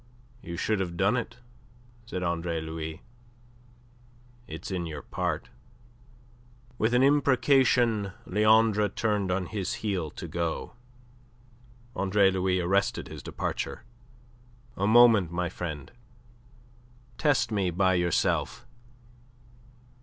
"You should have done it," said Andre Louis. "It's in your part." With an imprecation Leandre turned on his heel to go. Andre Louis arrested his departure. "A moment, my friend. Test me by yourself.